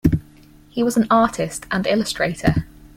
He was an artist and illustrator.